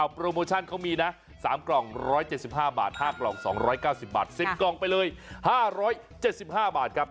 โปรโมชั่นเขามีนะ๓กล่อง๑๗๕บาท๕กล่อง๒๙๐บาท๑๐กล่องไปเลย๕๗๕บาทครับ